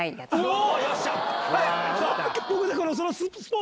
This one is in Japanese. お！